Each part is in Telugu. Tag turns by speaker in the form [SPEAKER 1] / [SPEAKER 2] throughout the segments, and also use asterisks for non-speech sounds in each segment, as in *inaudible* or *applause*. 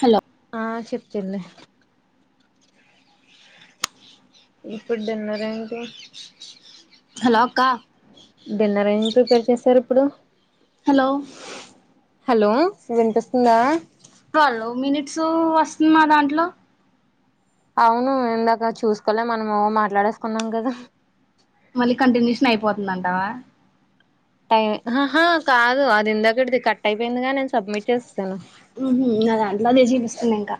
[SPEAKER 1] హలో
[SPEAKER 2] ఆ చెప్పు చెల్లె. ఇప్పుడు డిన్నరేంటి?
[SPEAKER 1] హలో అక్కా
[SPEAKER 2] డిన్నర్ ఎం ప్రిపేర్ చేశారు ఇప్పుడు?
[SPEAKER 1] హలో
[SPEAKER 2] హలో వినిపిస్తోందా.
[SPEAKER 1] హలో మినిట్స్ వస్తుంది నా దాంట్లో.
[SPEAKER 2] అవును ఇందాక చూసుకోలే మనము మాట్లాడేసుకున్నాం కదా.
[SPEAKER 1] మళ్ళీ కంటిన్యూషన్ అయిపోతుందంటావా.
[SPEAKER 2] టైం హహా కాదు అది ఇందాకటిది కట్ అయిపోయింది గా నేను సబ్మిట్ చేసేసాను.
[SPEAKER 1] ఉ నా దాంట్లో అదే చూపిస్తుంది ఇంకా.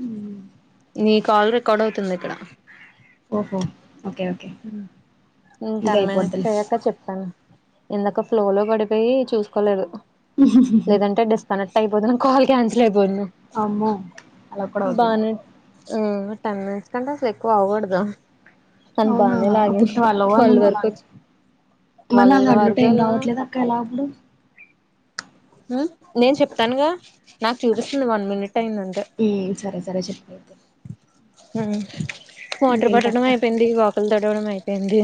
[SPEAKER 1] హ్
[SPEAKER 2] నీ కాల్ రికార్డ్ అవుతుంది ఇక్కడ.
[SPEAKER 1] ఓహో ఓకే ఓకే
[SPEAKER 2] హు
[SPEAKER 1] ఇంకా
[SPEAKER 2] టెన్ మినిట్స్
[SPEAKER 1] అయిపోద్దిలే
[SPEAKER 2] అయ్యాక చెప్తాను. ఇందాక ఫ్లోలో పడిపోయి చూసుకోలేదు, లేదంటే డిస్కనె క్ట్ అయిపోదును కాల్ క్యాన్సిల్ అయిపోదును
[SPEAKER 1] అమ్మో అలా కూడా అవుతదా
[SPEAKER 2] బానే ఆ టెన్ మినిట్స్ కంటే అసలు ఎక్కువ అవకూడదు. తను
[SPEAKER 1] అవునా
[SPEAKER 2] బానే
[SPEAKER 1] అప్పుడు
[SPEAKER 2] లాగింది
[SPEAKER 1] ట్వెల్వ్ అని
[SPEAKER 2] ట్వల్
[SPEAKER 1] ఉంది నాది
[SPEAKER 2] వరకొచ్చి
[SPEAKER 1] మరి
[SPEAKER 2] ట్వల్
[SPEAKER 1] నా దాంట్లో
[SPEAKER 2] వరకు
[SPEAKER 1] టైం
[SPEAKER 2] వెళ్లినా
[SPEAKER 1] రావట్లేదు
[SPEAKER 2] కట్
[SPEAKER 1] అక్క ఎలా
[SPEAKER 2] అవలా.
[SPEAKER 1] అప్పుడు
[SPEAKER 2] హ్ నేను చెప్తానుగా నాకు చూపిస్తుంది వన్ మినిట్ అయిందంతే.
[SPEAKER 1] ఉమ్ సరే సరే చెప్పుయితే
[SPEAKER 2] హు మోటర్ పట్టడం అయిపోయింది, వాకిలు తుడవడం అయిపోయింది.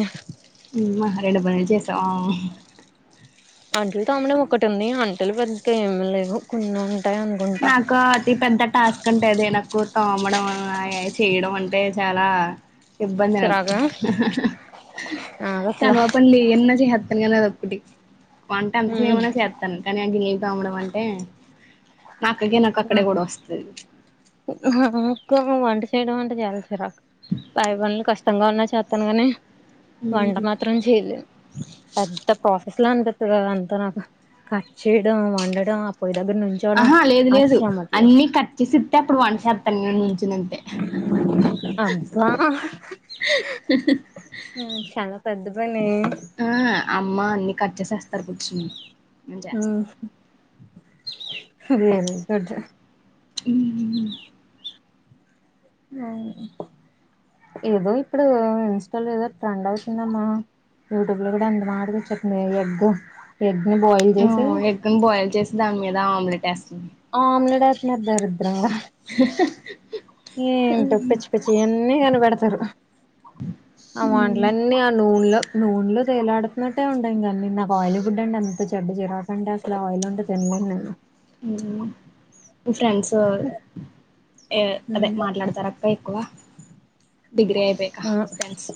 [SPEAKER 1] హమ్మ రెండు పనులు చేేసావా
[SPEAKER 2] అంట్లు తోమడం ఒకటి ఉంది, అంట్లు పెదగా ఏమి లేవు కొన్నే.
[SPEAKER 1] నాకు అతి పెద్ద టాస్క్ అంటే అదే నా కూర్తో అమ్మడం, అయి చేయడం అంటే చాలా ఇబ్బంది నాకు,
[SPEAKER 2] చిరాగా నాకు అసలు
[SPEAKER 1] కానువ పన్లు ఎయన్న చేసెత్తాను కానీ అ కుటి వంట ఎంత చేయమన్న చెత్తాను, కానీ ఆ గిన్నెలు తోమడం అంటే మా అక్కకి నాకు
[SPEAKER 2] అ
[SPEAKER 1] అక్కడే గొడవ వస్తది
[SPEAKER 2] నాకు వంట వంట చేయడం అంటే చాల చిరాకు. పై పనులు కష్టంగా ఉన్న చేతాను కానీ వంట మాత్రం చేయలే. పెద్ద ప్రాసెస్ లా అనిపిస్తది అది అంతా నాకు. కట్ చేయడం, వండడం పోయిదగ్గర నించోనా
[SPEAKER 1] ఆహా లేదు లేదు అన్ని కట్ చేసి ఇత్తే, అప్పుడు వంటసేత్తను నే
[SPEAKER 2] అబ్బా ఉ చాలా పెద్దపనే
[SPEAKER 1] ఆ అమ్మ అన్ని కట్ చేేసేస్తారు కూర్చుని నేను
[SPEAKER 2] ఆ
[SPEAKER 1] చేస్తా
[SPEAKER 2] అది ఏందో డ
[SPEAKER 1] ఉ
[SPEAKER 2] అ ఏదో ఇప్పుడు ఇన్స్టాలో ఏదో ట్రెండ్ అవుతుందమ్మా. యూట్యూబ్ ల కూడా అంద్ మాటకు చెప్పినయ్ ఎగ్గు ఎగ్ ని బాయిల్
[SPEAKER 1] ఆ
[SPEAKER 2] చేసి
[SPEAKER 1] ఎగ్గుని బాయిల్ చేసి, దాని మీద ఆమ్లెట్ ఏస్
[SPEAKER 2] ఆమ్లెట్ ఏసున్నరు దరిద్రంగ ఏంటో పిచ్చి పిచ్చి అన్నీ కనిపెడతరు ఆ వంట్లన్నీ ఆ ను నూలో నూన్లో తేలాడుతున్నట్టే ఉంటయి ఇంగ అన్ని, నాకు ఆయిలీ ఫుడ్ అంటె అంత చెడ్డ చిరాక అంటే అసలు ఆయిల్ దె సేన్నేనే
[SPEAKER 1] ఉ మీ ఫ్రెండ్స్ ఏ అదే
[SPEAKER 2] నేను
[SPEAKER 1] మాట్లాడతరా? ఎక్కువ డిగ్రి అయిపోయక
[SPEAKER 2] ఆ
[SPEAKER 1] ఫ్రెండ్స్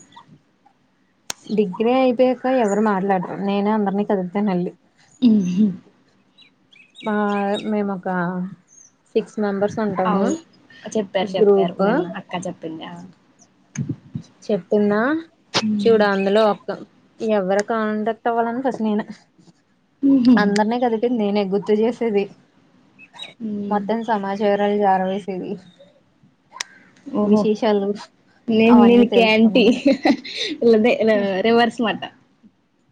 [SPEAKER 2] డిగ్రీ అయిపోయక ఎవరు మాట్లాడ్రు. నేనే అందర్ని కలిసాను ఎల్లి.
[SPEAKER 1] ఉహు
[SPEAKER 2] మా మేమొక సిక్స్ మెంబర్స్ ఉంటము
[SPEAKER 1] అవును చెప్పారు చెప్పారు
[SPEAKER 2] గ్రూప్
[SPEAKER 1] నిన్న అక్క చెప్పింది ఆ
[SPEAKER 2] చెప్తున్నా చూడ అందులో ఒక్క ఎవరు కాంటాక్ట్ అవ్వాలన ఫస్ట్ నేనె.
[SPEAKER 1] ఉహు
[SPEAKER 2] అందరిని కలిపింది నేనే. గుర్తు చేసేది.
[SPEAKER 1] ఉమ్
[SPEAKER 2] మొత్తం సమాచారాలు జార వేసేది. విశేషాలు
[SPEAKER 1] ఏమి
[SPEAKER 2] అవన్నీ
[SPEAKER 1] నీకేంటి
[SPEAKER 2] తెలుసుకునేది
[SPEAKER 1] లదే రివర్స్ మాట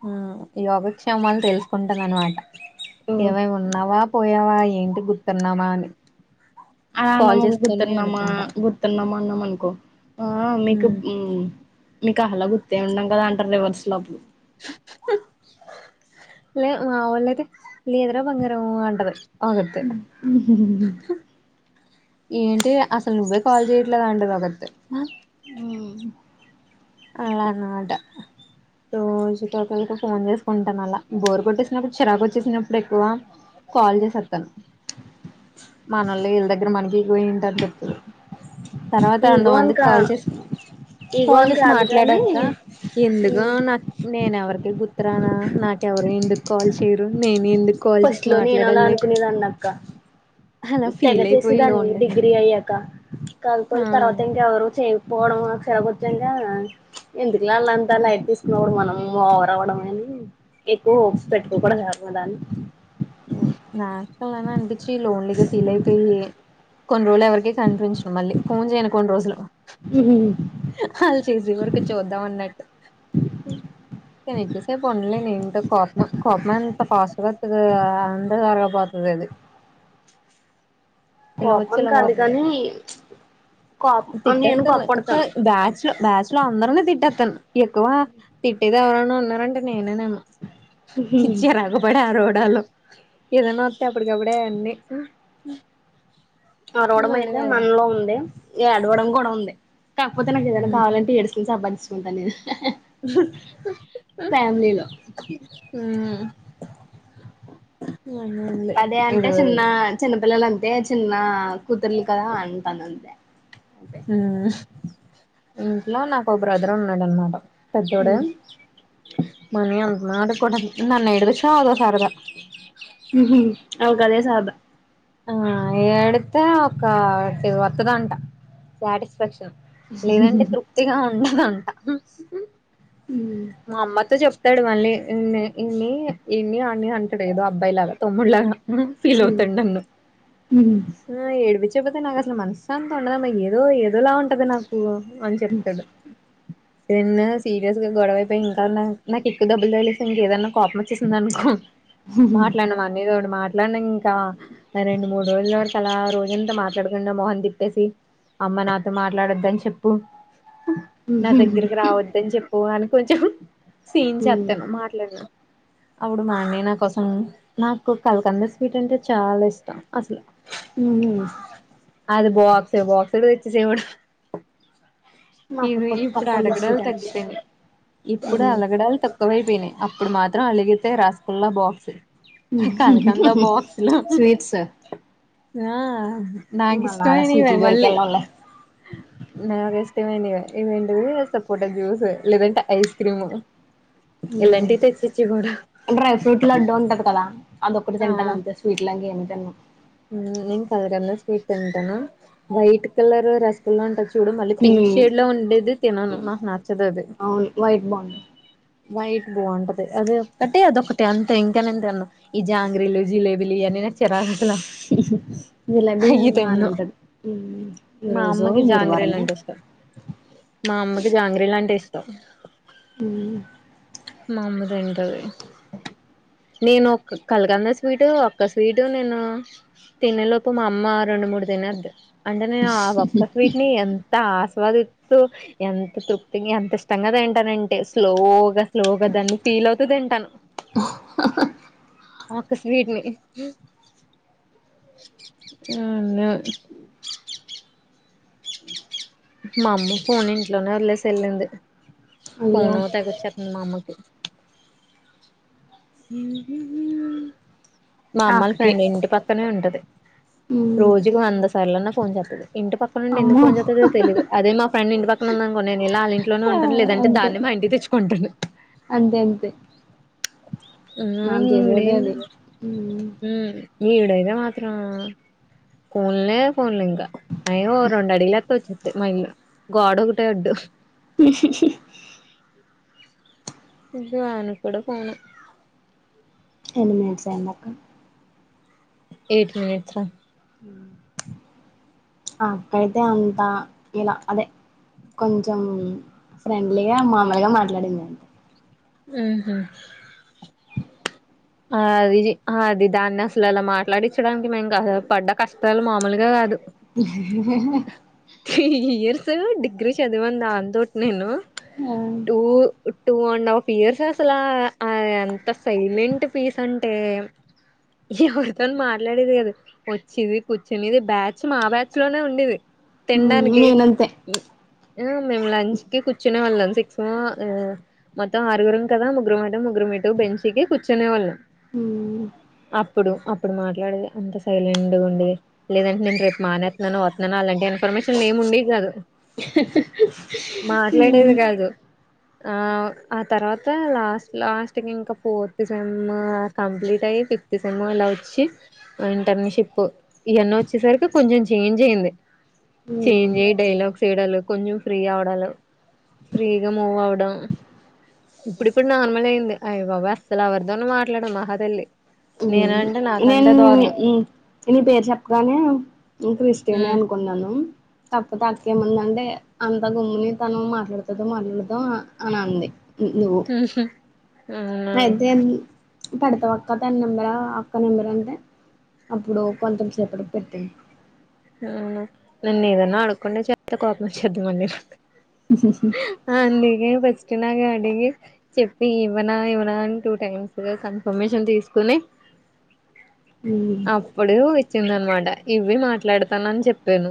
[SPEAKER 2] ఆ యోగక్షేమాలు తెలుసుకుంటద అనమాట.
[SPEAKER 1] ఓ
[SPEAKER 2] ఏమేమి ఉన్నవా పోయావా, ఏంటి గుర్తున్నామా అని.
[SPEAKER 1] ఆ న
[SPEAKER 2] కాల్
[SPEAKER 1] అమకు
[SPEAKER 2] చేస్తూనే
[SPEAKER 1] గుర్తున్నామా
[SPEAKER 2] అనుకుంటా
[SPEAKER 1] గుర్తున్నామన్నం అనుకో ఆ మీకు
[SPEAKER 2] ఉమ్,
[SPEAKER 1] ఉ మీకు అహ్లా గుర్తే ఉండం కదా అంటరు రివర్స్ లో అప్పుడు
[SPEAKER 2] లే మావోళ్ళయితే లేదురా బంగారం అంటరు. ఆగర్తె ఏంటి అసలు నువ్వే కాల్ చేయట్లేదు అంటది ఒకతి.
[SPEAKER 1] ఉ
[SPEAKER 2] అలా అన్మాట రోజుకో ఒకళ్కి ఫోన్ చేసుకుంట ఉన్నాల, బోర్ కొట్టేసినప్పుడు చిరాకు వచ్చేసినప్పుడు ఎక్కువ. కాల్ చేసెత్తాను. మనోళ్లే ఈల్ దగ్గర మనకెకువెంటి అని చెత్తను. తర్వాత
[SPEAKER 1] ఈగోన్
[SPEAKER 2] అంతమందికి
[SPEAKER 1] కా
[SPEAKER 2] కాల్ చేెస్
[SPEAKER 1] ఈగోన్ కాదు కానీ
[SPEAKER 2] మాట్లాడాక ఎందుకు నా నేనెవరికి గుర్తురానా నాకెవరు ఎందుకు కాల్ చేయరు నేను ఎందుకు కాల్
[SPEAKER 1] ఫస్ట్
[SPEAKER 2] చేసి
[SPEAKER 1] లో నేను అలా
[SPEAKER 2] మాట్లాడాలి
[SPEAKER 1] అనుకునేదాన్ని అక్క
[SPEAKER 2] అలా
[SPEAKER 1] తెగ
[SPEAKER 2] ఫీల్ అయిపోయి లోన్లీగా
[SPEAKER 1] కాలుపో
[SPEAKER 2] ఆ
[SPEAKER 1] తర్వాత ఇంకా ఎవరు చేయకపోవడం అక్షరచంగా ఎందుకు పిల్ల అంతాలా అట్ తీసుకుడు మనం *inaudible* వర్ అవ్వడం అని ఎక్కువ హోప్స్ పెట్టుకోకూడ కాదుమా ఎవరిమీదనీ
[SPEAKER 2] నాకు అలాని అనిపించి లోన్లీగా ఫీల్ అయిపోయి కొన్ని రోజులు ఎవరికీ కనిపించను మళ్ళీ ఫోన్ చేయను కొన్ని రోజులు అల్లు చేసి వరకు చూద్దాం అన్నట్టు ఎక్కువ సేపు ఉండలేను ఏంటో కోపమ కోపము ఎంత ఫస్ట్ గా వస్తాదో అంత కారగా పాతది అది ఇలా
[SPEAKER 1] కోపం
[SPEAKER 2] వచ్చి
[SPEAKER 1] అనీ కాదు కానీ కోపం నేను
[SPEAKER 2] తిట్టెత్తను
[SPEAKER 1] కోప్పడతాను
[SPEAKER 2] బ్యాచ్ల బ్యాచల అందరనే తిట్టెత్తను ఎక్కువ తిట్టేది ఎవరన ఉన్నారంటడి నేనే ఏమో చిరాకుపడి ఏదనా వస్తే అప్పటికప్పుడే అన్నీ
[SPEAKER 1] అరవడం అయితే మనలో ఉంది ఏడవడం కూడా ఉంది కాకపోతే నాకు ఏదైనా కావాలంటే ఏడ్చి సంపాధించుకుంటాను నేను
[SPEAKER 2] హ
[SPEAKER 1] ఫ్యామిలీలో
[SPEAKER 2] ఉమ్
[SPEAKER 1] పదే అంటే చిన్న చిన్నపిల్లలంతా ఇదే చిన్న కుతురుని కదా అంటనంతే
[SPEAKER 2] ఇంట్లో నాకు ఒక బ్రదర్ ఉన్నాడునమాట పెద్దోడె మనీ అంతన్నాడు కూడా నన్ను ఏడిపించడం అదో సరదా
[SPEAKER 1] ఉమ్ వాళ్ళకి అది సరదా
[SPEAKER 2] ఆ ఏడితే ఒక వత్తదంట సాటిస్ఫాక్షన్ లేదంటే తృప్తిగా ఉండదంట మా అమ్మతో చెప్ప ఇస్తాడు మళ్ళీ ఇన్ని ఇన్ని ఇన్ని అన్ని అంటాడు ఏదో అబ్బాయిలాగా తమ్ముడు లాగా ఫీల్ అవుతాం నన్ను
[SPEAKER 1] హ
[SPEAKER 2] విడిపించపోతే నాకు అసలు మనశాంతి ఉండదుమ్ ఏదో ఏదోలా ఉంటది నాకు అని చెప్తాడు నేను సీరియస్ గా గొడవైపోయి ఇంకా నాకు ఎకువ డబ్బులు తెలేదు ఇంకేదన్నా కోపం వచ్చేసింది అనుకో మాట్లాడినాం అన్న తోడు మాట్లాడను ఇంకా రెండు మూడు రోజుల వరకు అలా రోజంతా మాట్లాడుకుండ మోహమ తిప్పేసి అమ్మ నాతో మాట్లాడొద్దని చెప్పు నా దగ్గరికి రావద్దని చెప్పు కాని కొంచెం సీన్ చెతాను మాట్లాడును అవుడు మా అన్నయ్య నా కోసం నాకు కలకండా స్వీట్ అంటే చాలా ఇష్టం అసలు
[SPEAKER 1] ఉమ్
[SPEAKER 2] అది బోక్స్ బోక్స్డు తెచ్చసేవాడు
[SPEAKER 1] మా అక్క
[SPEAKER 2] ఇది
[SPEAKER 1] కూడా
[SPEAKER 2] ఇప్పుడు
[SPEAKER 1] కలకంద
[SPEAKER 2] అడగడాలు
[SPEAKER 1] స్వీట్ అంటే
[SPEAKER 2] తగ్గిపోయింది ఇప్పుడు అలగడాలు తగ్కు తక్కవైపోయినాయి అప్పుడు మాత్రం అలిగితే రసగుల్లా బాక్స్ కనీకండా బక్స్ లో
[SPEAKER 1] స్వీట్స్
[SPEAKER 2] ఆ నాకు
[SPEAKER 1] మళ్ళా అలా
[SPEAKER 2] ఇష్టమేనివ
[SPEAKER 1] స్వీట్ల జోలికి
[SPEAKER 2] మళ్ళీ
[SPEAKER 1] వెళ్ళంలే
[SPEAKER 2] నాకు ఇష్ట ఇది సపోట జ్యూస్ లేదంట ఐస్ క్రీమ్ ఇలాంటివి తెచ్చిచ్చేవాడు
[SPEAKER 1] డ్రై ఫ్రూట్ లడ్డు ఉంటది కదా అదొక్కటి
[SPEAKER 2] ఆ
[SPEAKER 1] తింటాను అంతే స్వీట్ లాక ఏమ తినను
[SPEAKER 2] నేను కలగంలో స్వీట్ తింటాను వైట్ కలర్ రసగుల్ల ఉంటొచ్చు చూడు మళ్ళీ పింక్ షేడ్ లో ఉండేది తినను నాకు నచ్చదు అది
[SPEAKER 1] అవును వైట్ బాగుంది
[SPEAKER 2] వైట్ బాగుంటది అది ఒకక్కటిే అదొ ఒకటిే అంతే ఇంకానేంతన్న ఈ జాంగ్రీలు జిలే రీలీయానినాచ్చరాఖసలు
[SPEAKER 1] శ జిలాబీ బానేవుంటది ఈ
[SPEAKER 2] మా
[SPEAKER 1] రోజు
[SPEAKER 2] అమ్మకి జాంగ్రీలు
[SPEAKER 1] గురువారమే
[SPEAKER 2] అంటే ఇష్టం
[SPEAKER 1] *unintelligible*
[SPEAKER 2] మా అమ్మకి జాంగ్రీలు అంటే ఇష్టం
[SPEAKER 1] హ
[SPEAKER 2] మ అమ్మ తింటది నేను ఒక కలకండా స్వీటు ఒక్క స్వీటు నేను తినేలోపు మా అమ్మ రెండు మూడు తినేస్తది అంటే నేను ఆ ఒక్క స్వీట్ ని ఎ ఆస్వాదిస్తూ ఎంత తృప్తిగా ఎంత ఇష్టంగా తింటానంటే స్లోగా స్లోగా అ దన్ని ఫీల్ అవుతూ తింటాను
[SPEAKER 1] ఓ
[SPEAKER 2] ఓక స్వీట్ *inaudible* మా అమ్మ ఫోన్ ఇంట్లోనే వదిలేసి వెళ్ళింది
[SPEAKER 1] అయ్యో
[SPEAKER 2] ఫను ట కుచ్చ మా అమ్మ కి మా
[SPEAKER 1] ఆ
[SPEAKER 2] అమ్మల
[SPEAKER 1] అక్కకే
[SPEAKER 2] ఫ్రెండ్ ఇంటి పక్కనే ఉంటది
[SPEAKER 1] మ్మ్
[SPEAKER 2] రోజుకి వంద సార్లున్నా ఫోన్ చేస్తుది ఇంటి పక్క నుండి ఎందుకు
[SPEAKER 1] అమ్మో
[SPEAKER 2] ఫోన్ చేస్తుదో తెలిదు అదే మాకు ఫ్రం ఇంటి పక్కన ఉందంకో నను ఎలా ఇంట్లోనే ఉంటాను లేదంటే
[SPEAKER 1] అంతే
[SPEAKER 2] దాన్ని మా ఇంటి తెచ్చుకుంటాను
[SPEAKER 1] అంతే అంతే
[SPEAKER 2] ఆ
[SPEAKER 1] మనం చేసేదే
[SPEAKER 2] ఇవిడ
[SPEAKER 1] అది మ్మ్
[SPEAKER 2] నవిడదా మాత్రం ఫోన్లే ఫోన్లు ఇంకా అయ ఓ రెండు అడిలు ఎత్త వచ్చిద్ది మలు గగాడ ఒకటే అడ్డు ఇ ఆనకూడ పోను
[SPEAKER 1] అన్ని మినిట్స్ అయింది అక్క
[SPEAKER 2] ఎయిట్ మనిట్స్ రా
[SPEAKER 1] అక్క ఐతే అంతా ఇలా అదే కొంచెం ఫ్రెండ్లీగా మామూలుగా మాట్లాడిందంటడి
[SPEAKER 2] ఉహ అది అది దాన్ని అసలు అలా మాట్లాడించడానికి మేం కా పడ్డ కష్టాలు మామూలుగా కాదు త్రీ ఇయర్స్ డిగ్రీ చదివాను దాంతో నేను
[SPEAKER 1] ఆ
[SPEAKER 2] two two and half years అసలా ఎంత సైలెంట్ పీస్ అంటే ఎవరితోన మాట్లాడేది కదా వచ్చేది కూర్చునిది బ్యాచ్ మా బ్యాచ్ లోనే ఉండేది
[SPEAKER 1] మ్మ్
[SPEAKER 2] తినడానికి
[SPEAKER 1] నేనంతే
[SPEAKER 2] ఆ మేము లంచ్ కి కూర్చునే వెళ్ళాం సిక్స్మ మొం ఆరుగురం కదా ముగ్గురు మేటం ముగగురుే టు బెంచకి కుచనే వాళ్ళం
[SPEAKER 1] ఉ
[SPEAKER 2] అప్పుడు అప్పుడు మాట్లాడేది అంత సైలెంట్ ఉంది లేదంటే నేను రేపు మానేతున్నాను వస్తున్నాను అలాంటి ఇన్ఫర్మేషన్ ఏము ఉండే కాదు మాట్లాడేది కాదు ఆ ఆ తర్వాత లాస్ట్ లాస్ట్ క ఇంకా పో ఫ్ సెమ్ కంప్లీట్ అయ ఫిఫ్త్ సెమ్ ఇలా వచ్చి ఇంటర్న్షిప్ వచ్చేసరికి కొంచెం చేంజ్ అయ్యంది
[SPEAKER 1] మ్మ్
[SPEAKER 2] చేంజ్ అయ్యి డైలాగ్స్ వయడాల కొంచెం ఫ్రీ ఆవడాాల ఫ్రీగా మూవ్ అవడం ఇప్పుడిప్పుడు నార్మల్ అయింది. అయబాబా అసలు ఎవరితోను మాట్లా మహాదల్లి
[SPEAKER 1] నేను నీ పేరు చెప్పగానే క్రిస్టినే
[SPEAKER 2] హ్మ్.
[SPEAKER 1] అనుకో ఉన్నాను తప్పతే అక్కేముందంటే అంత గమ్ము తను మాట్లాడుతదో మాట్లాడదో అని అంది. నువ
[SPEAKER 2] ఉహు అవునా
[SPEAKER 1] ఐతే పడ్తవా వాక్క అ తన నెంబరా అక్క నెంబరా అంటే అప్పుడు కొంతం సేపటికి పెట్టింది.
[SPEAKER 2] ఉ నన్న ఏదన్న ఆడుకండచెత్త్ కోపు మచ్చాదీద్ది మరి అ నీగే బస్ పట్టినాగా అడిగి చెప్పి ఇవ్వనా ఇవ్వనా అని టూ టైమ్స్ గా కన్ఫర్మేషన్ తీసుకుని అప్పుడు ఇచ్చింద అనమాట ఇవి మాట్లాడుతానని చెప్పాను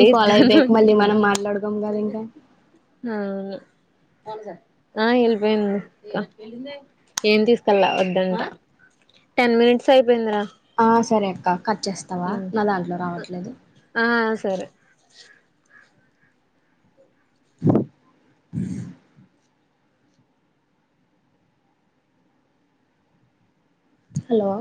[SPEAKER 1] ఈ కాల్ అయిపోయాక మళ్ళీ
[SPEAKER 2] అను
[SPEAKER 1] మనం మాట్లాడుకోం కదా ఇంకా
[SPEAKER 2] ఆ ఆ ఎళ్ళిపోయింది ఏం తీసుకెళ్లా వద్దంట టెన్ మినిట్స్ అయిపోయిందరా
[SPEAKER 1] ఆ సరే అక్క కట్ చేస్తావా నా దాంట్లో రావట్లేదు.
[SPEAKER 2] సరె.
[SPEAKER 1] *unintelligible* హలో? !